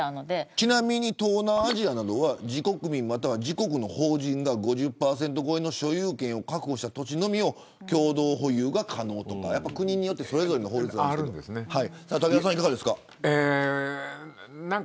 ちなみに東南アジアなどは自国民、または自国民の法人が５０％越えの所有権を確保した土地のみを共同保有が可能ということで国ごとにそれぞれ法律があります武田さん、いかがですか。